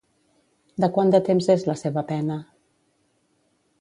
De quant de temps és la seva pena?